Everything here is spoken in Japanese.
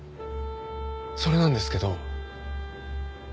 それなんですけど。